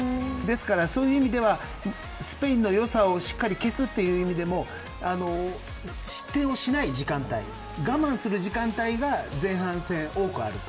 そういう意味ではスペインの良さをしっかり消すという意味でも失点をしない時間帯我慢の時間が前半戦で多くあると。